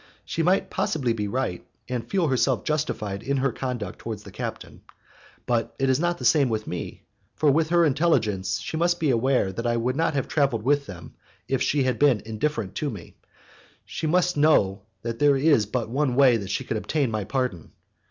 She might possibly be right, and feel herself justified in her conduct towards the captain, but it is not the same with me, for with her intelligence she must be aware that I would not have travelled with them if she had been indifferent to me, and she must know that there is but one way in which she can obtain my pardon.